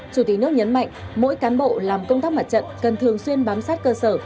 chủ tịch nước nhấn mạnh mỗi cán bộ làm công tác mặt trận cần thường xuyên bám sát cơ sở